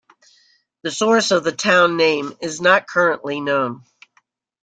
The source of the town name is not currently known.